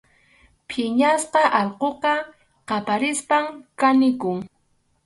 Phiñasqa allquqa qaparispam kanikun.